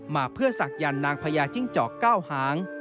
มาเพื่อศักดิ์ยันทร์นางพญาจิ้งเจาะเก้าหาง